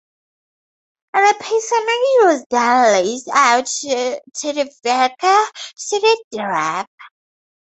The parsonage was then leased out to the verger so that the Rev.